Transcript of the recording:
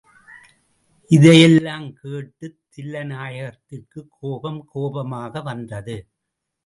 இதையெல்லாம் கேட்டுத் தில்லைநாயகத்திற்குக் கோபம் கோபமாக வந்தது.